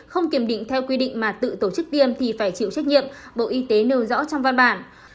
không kiểm định theo quy định mà tự tổ chức tiêm thì phải chịu trách nhiệm bộ y tế nêu rõ trong văn bản